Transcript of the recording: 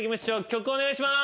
曲お願いします。